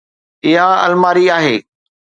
اها الماري آهي